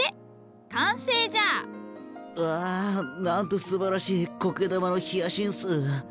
うわなんとすばらしい苔玉のヒアシンス。